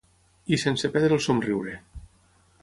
I sense perdre el somriure.